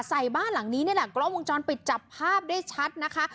ใส่บ้านหลังนี้นี่แหละกล้องวงจรปิดจับภาพได้ชัดนะคะ